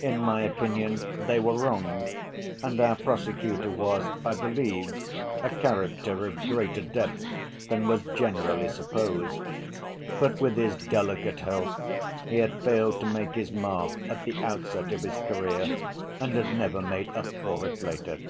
In my opinion, they were wrong, and our prosecutor was, I believe, a character of greater depth than was generally supposed. But with his delicate health he had failed to make his mark at the outset of his career and had never made up for it later.